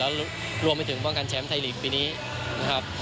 แล้วรวมไปถึงป้องกันแชมป์ไทยลีกปีนี้นะครับ